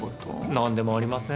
何でもありません。